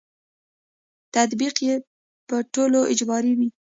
تطبیق یې په ټولو اجباري وي.